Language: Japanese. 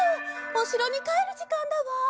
おしろにかえるじかんだわ。